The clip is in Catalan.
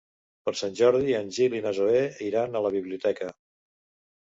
Per Sant Jordi en Gil i na Zoè iran a la biblioteca.